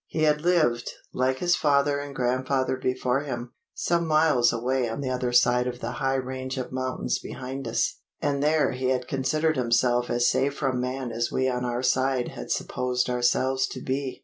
He had lived, like his father and grandfather before him, some miles away on the other side of the high range of mountains behind us; and there he had considered himself as safe from man as we on our side had supposed ourselves to be.